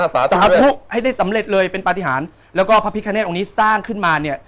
สาธุให้ได้สำเร็จเลยเป็นปฏิหารแล้วก็พระพิคเนตองค์นี้สร้างขึ้นมาเนี่ย